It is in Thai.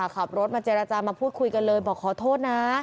ขับรถมาเจรจามาพูดคุยกันเลยบอกขอโทษนะ